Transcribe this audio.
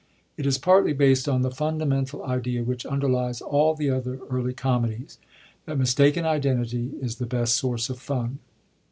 It is partly based on the fundamental idea which underlies all the other early comedies, that mis taken identity is the best source of fun.